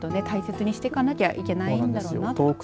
大切にしていかなきゃいけないんだろうなと。